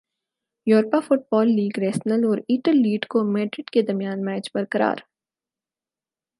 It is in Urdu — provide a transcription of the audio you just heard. یورپا فٹبال لیگ رسنل اور ایٹلیٹکو میڈرڈ کے درمیان میچ برابر